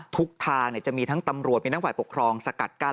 ทุกทางจะมีทั้งตำรวจมีทั้งฝ่ายปกครองสกัดกั้น